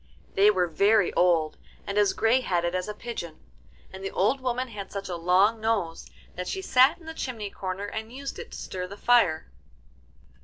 They were very old, and as grey headed as a pigeon, and the old woman had such a long nose that she sat in the chimney corner and used it to stir the fire.